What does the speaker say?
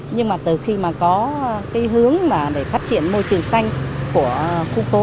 nhưng mà từ khi mà có cái hướng mà để phát triển môi trường xanh của khu phố